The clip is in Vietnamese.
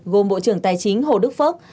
gồm bộ trưởng tài chính hồ đức phước